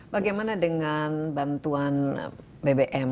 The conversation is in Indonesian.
bagaimana dengan bantuan bbm